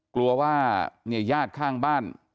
กลัวว่าเนี่ยญาติข้างบ้าน